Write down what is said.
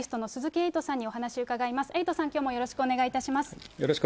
エイトさん、きょうもよろしくお願いします。